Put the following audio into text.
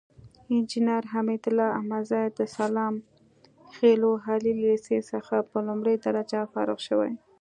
انجينر حميدالله احمدزى د سلام خيلو عالي ليسې څخه په لومړۍ درجه فارغ شوى.